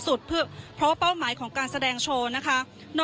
ก็จะมีการพิพากษ์ก่อนก็มีเอ็กซ์สุข่อน